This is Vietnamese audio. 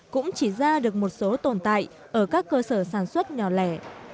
cũng chỉ ra được một số tồn tại ở các cơ sở sản xuất nhỏ lẻ